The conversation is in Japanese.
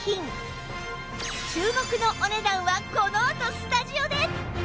注目のお値段はこのあとスタジオで！